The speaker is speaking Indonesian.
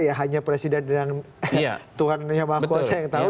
ya hanya presiden dan tuhan yang maha kuasa yang tahu